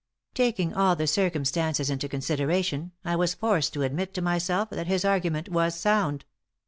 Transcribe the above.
Taking all the circumstances into consideration, I was forced to admit to myself that his argument was sound.